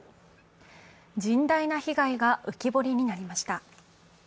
甚大な被害が浮き彫りになりました。